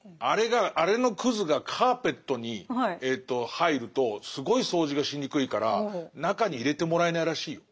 あれのくずがカーペットに入るとすごい掃除がしにくいから中に入れてもらえないらしいよ。